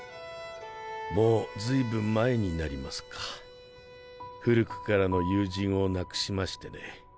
もう随分前になりますか古くからの友人を亡くしましてね